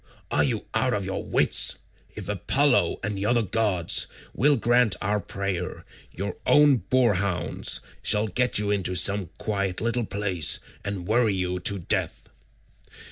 Are you out of your wits? If Apollo and the other gods will grant our prayer, your own boarhounds shall get you into some quiet little place, and worry you to death."